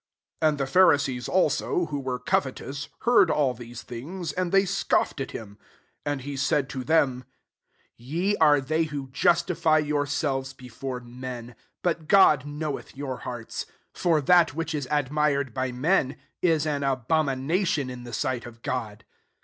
14 And the Pharisees ajsq, who were covetous, heard aU these things; and they scoffed at him. 15 And he said to them, " Ye are they who justi* fy 3^urselves before men; but God knoweth your hearts : for that which is admired by men, is an abomination in the sight of God.